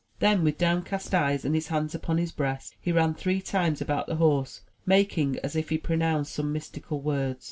Then, with downcast eyes and his hands upon his breast, he ran three times about the horse, making as if he pronounced some mystical words.